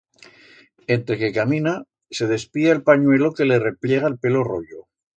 Entre que camina, se despía el panyuelo que le repllega el pelo royo.